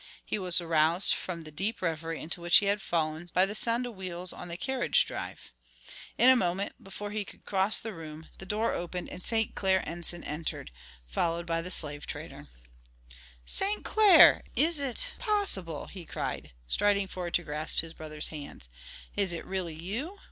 He was aroused from the deep revery into which he had fallen by the sound of wheels on the carriage drive. In a moment, before he could cross the room, the door opened and St. Clair Enson entered, followed by the slave trader, Walker. "St. Clair! Is it possible!" he cried, striding forward to grasp his brother's hand. "Is it really you?